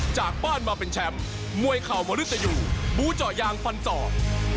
จากบ้านมาเป็นแชมป์มวยเข่ามริตยูบูเจาะยางฟันจอก